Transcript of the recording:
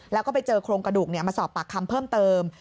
แล้วก็ไปเจอโครงกระดูกมาสอบปากคำเพิ่มเติม